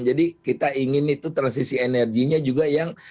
jadi kita ingin itu transisi energinya juga yang